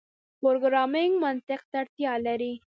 پروګرامنګ منطق ته اړتیا لري.